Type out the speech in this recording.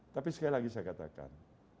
tapi sekali lagi saya katakan